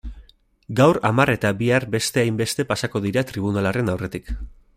Gaur hamar eta bihar beste hainbeste pasako dira tribunalaren aurretik.